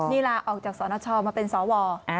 นี่ลาออกจากสนชมาเป็นสว